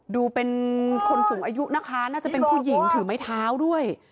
ดูเป็นคนสูงอายุนะคะน่าจะเป็นผู้หญิงถือไม้เท้าด้วย